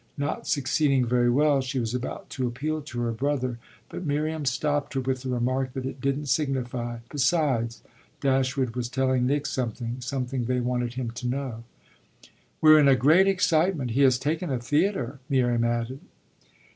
Not succeeding very well she was about to appeal to her brother, but Miriam stopped her with the remark that it didn't signify; besides, Dashwood was telling Nick something something they wanted him to know. "We're in a great excitement he has taken a theatre," Miriam added.